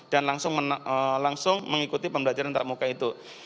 dan langsung mengikuti pembelajaran tak muka itu